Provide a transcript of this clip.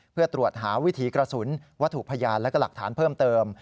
เพื่อตรวจหาวิถีกระสุนวัตถุพยานและหลักฐานเพิ่มเติม